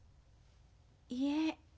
いえ。